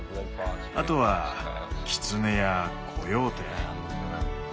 あとはキツネやコヨーテ。